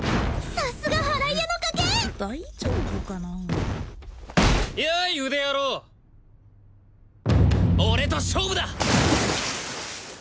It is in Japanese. さすが祓い屋の家系大丈夫かなあやい腕野郎俺と勝負だ！